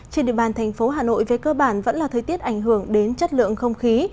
trên địa bàn thành phố hà nội về cơ bản vẫn là thời tiết ảnh hưởng đến chất lượng không khí